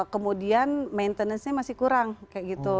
kemudian maintenance nya masih kurang kayak gitu